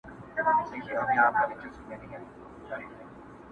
دلته د يوې ځواني نجلۍ درد بيان سوی دی چي له ،